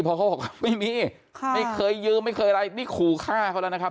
เพราะเขาบอกว่าไม่มีไม่เคยยืมไม่เคยอะไรนี่ขู่ฆ่าเขาแล้วนะครับ